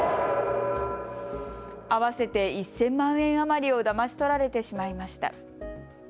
合わせて１０００万円余りをだまし取られてしまいました。